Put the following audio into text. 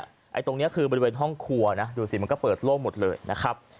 ไอ้ตรงนี้คือบริเวณห้องครัวนะดูสิมันก็เปิดโล่งหมดเลยนะครับ